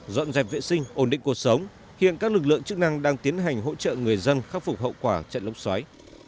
dọn dẹp vệ sinh ổn định cuộc sống hiện các lực lượng chức năng đang tiến hành hỗ trợ người dân khắc phục hậu quả trận lốc xoáy